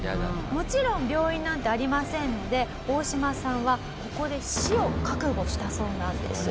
もちろん病院なんてありませんのでオオシマさんはここで死を覚悟したそうなんです。